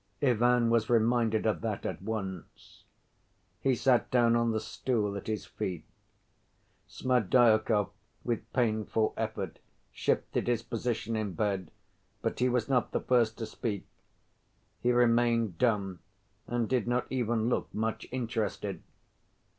Ivan was reminded of that at once. He sat down on the stool at his feet. Smerdyakov, with painful effort, shifted his position in bed, but he was not the first to speak. He remained dumb, and did not even look much interested.